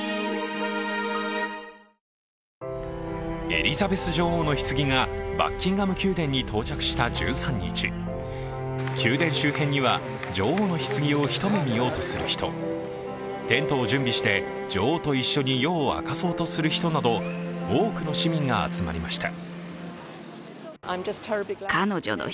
エリザベス女王のひつぎがバッキンガム宮殿に到着した１３日宮殿周辺には女王のひつぎを一目見ようとする人、テントを準備して女王と一緒に夜を明かそうとする人など、多くの市民が集まりました。